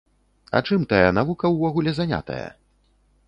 А чым тая навука ўвогуле занятая?